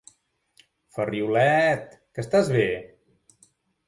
Ferrioleeet, que estàs bé?